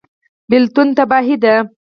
بیلتون تباهي ده